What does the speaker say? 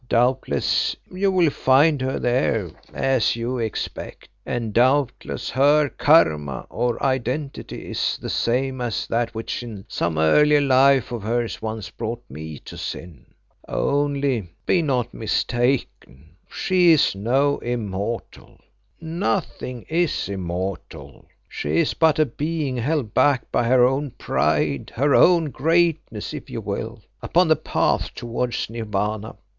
Doubtless you will find her there as you expect, and doubtless her khama, or identity, is the same as that which in some earlier life of hers once brought me to sin. "Only be not mistaken, she is no immortal; nothing is immortal. She is but a being held back by her own pride, her own greatness if you will, upon the path towards Nirvana.